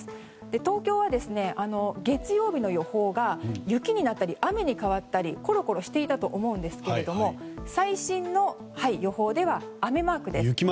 東京は月曜日の予報が雪になったり雨に変わったりコロコロしていたと思いますが最新の予報では雨マークです。